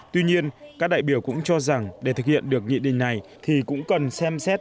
tuy nhiên các đại biểu cũng cho rằng để thực hiện được nghị định này thì cũng cần xem xét